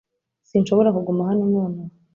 Sinshobora kuguma hano nonaha .